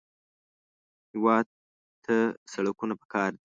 هېواد ته سړکونه پکار دي